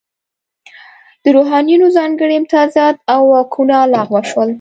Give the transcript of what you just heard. د روحانینو ځانګړي امتیازات او واکونه لغوه شول.